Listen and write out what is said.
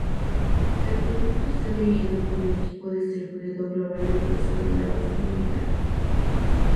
El producto está dirigido por un equipo distribuido globalmente sobre una base voluntaria.